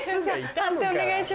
判定お願いします。